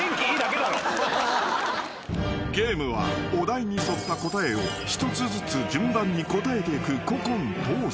［ゲームはお題に沿った答えを一つずつ順番に答えていく古今東西］